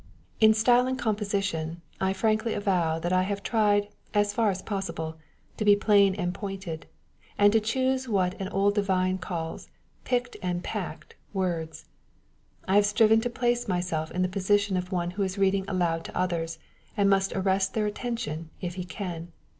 In style and composition I frankly avow .that I have v» adied, as far as possible, to be plain and pointed, and to choose what an old divine calls " picked and packed" words. I have striven to place myself in the position of on€i%ho is reading aloud to others, and must arrest their attention, if he can.